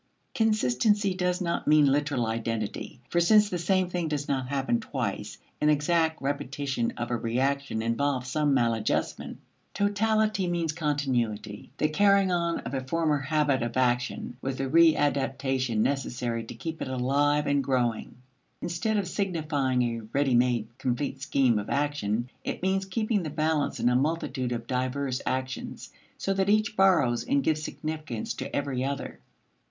Consistency does not mean literal identity; for since the same thing does not happen twice, an exact repetition of a reaction involves some maladjustment. Totality means continuity the carrying on of a former habit of action with the readaptation necessary to keep it alive and growing. Instead of signifying a ready made complete scheme of action, it means keeping the balance in a multitude of diverse actions, so that each borrows and gives significance to every other.